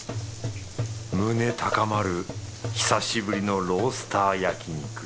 胸高まる久しぶりのロースター焼肉。